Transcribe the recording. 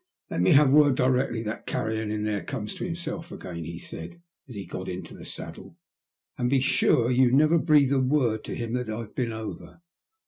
'' Let me have word directly that carrion in there comes to himself again," he said, as he got into the saddle. '' And be sure you never breathe a word to him that I've been over.